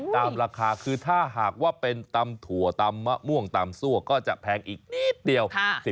ตามราคาคือถ้าหากว่าเป็นตำถั่วตำมะม่วงตำซั่วก็จะแพงอีกนิดเดียว